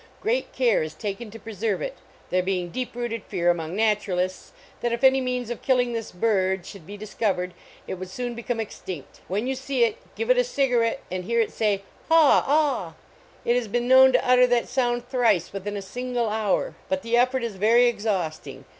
Great care is taken to preserve it, there being deep rooted fear among naturalists that if any means of killing this bird should be dis covered it would soon become extinct. When you see it, give it a cigarit and hear it say "haw aw." It has been known to utter that sound thrice within a single hour, but the effort is very exhausting.